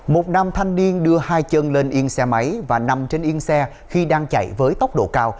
một nam thanh niên đưa hai chân lên yên xe máy và nằm trên yên xe khi đang chạy với tốc độ cao